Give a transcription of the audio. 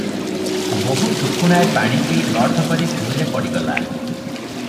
ବୋହୂ ଟୁକୁଣାଏ ପାଣି ପିଇ ଲଠକରି ଭୂଇଁରେ ପଡ଼ିଗଲା ।